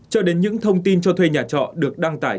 cho đến những thông tin cho thuê nhà trọ được đăng tải